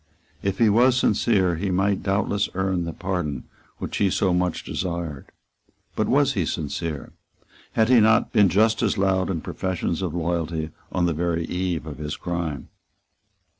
If he was sincere, he might doubtless earn the pardon which he so much desired. But was he sincere? Had he not been just as loud in professions of loyalty on the very eve of his crime?